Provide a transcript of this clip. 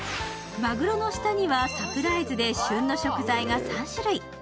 マグロの下にはサプライズで旬の食材が３種類。